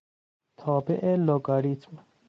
تابع لگاریتم